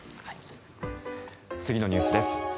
次のニュースです。